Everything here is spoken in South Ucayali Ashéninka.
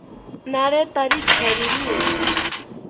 Naretari charini